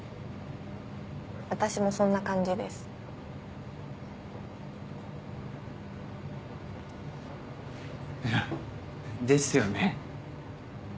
私もそんな感じです。ですよね。